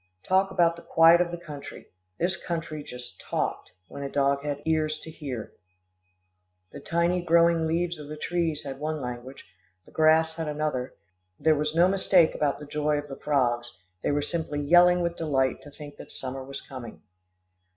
Talk about the quiet of the country this country just talked, when a dog had ears to hear. The tiny growing leaves of the trees had one language, the grass had another, there was no mistake about the joy of the frogs they were simply yelling with delight to think that summer was coming.